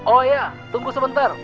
oh iya tunggu sebentar